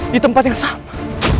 di tempat yang sama